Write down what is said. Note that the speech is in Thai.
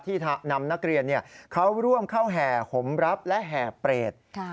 ที่นำนักเรียนเขาร่วมเข้าแห่หมรับและแห่เปรต